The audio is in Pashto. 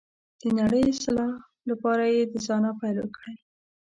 د نړۍ اصلاح لپاره یې د ځانه پیل کړئ.